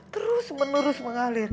terus menerus mengalir